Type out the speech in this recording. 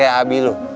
kayak abi lu